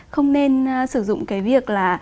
không nên sử dụng cái việc là